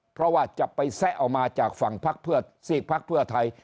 เพราะว่าจะไปแซะออกมาจากฝั่งพักเพื่อซีกพักเพื่อไทย